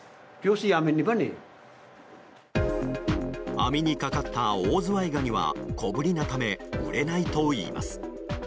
網にかかったオオズワイガニは小ぶりなため売れないといいます。